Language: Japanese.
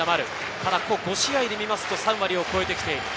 ただ、ここ５試合で見ると３割を超えてきています。